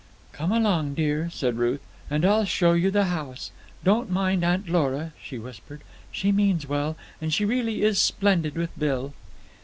"Come along, dear," said Ruth, "and I'll show you the house. Don't mind Aunt Lora," she whispered; "she means well, and she really is splendid with Bill."